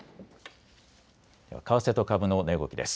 為替と株の値動きです。